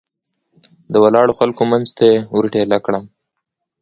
د ولاړو خلکو منځ ته یې ور ټېله کړم.